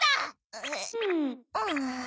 えっうん。